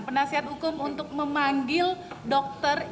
penasihat hukum untuk memanggil dokter